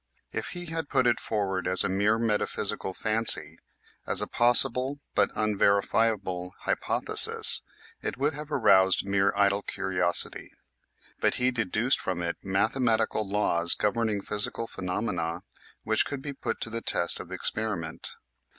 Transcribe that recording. If he had put it forward as a mere metaphysical fancy, as a pos sible but unverifiable hypothesis, it would have aroused mere idle curiosity. But he deduced from it mathe matical laws governing physical phenomena which could be put to the test of experiment.